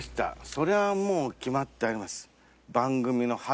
そりゃもう決まっております。